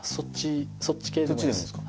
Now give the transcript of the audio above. そっち系でもいいです。